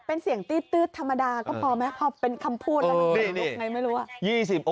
เป็นเสียงตื๊ดธรรมดาก็พอไหมพอเป็นคำพูดแล้วมันลุกไงไม่รู้อ่ะ